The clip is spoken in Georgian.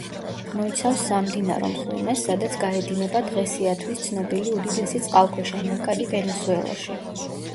მოიცავს სამდინარო მღვიმეს, სადაც გაედინება დღესიათვის ცნობილი უდიდესი წყალქვეშა ნაკადი ვენესუელაში.